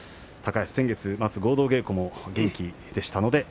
高安、先月末の合同稽古も元気でした。